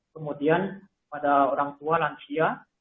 kemudian pada orang tua lansia